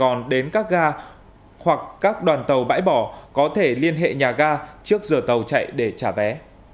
còn đến các ga hoặc các đoàn tàu bãi bỏ có thể liên hệ nhà ga trước giờ tàu chạy để trả vé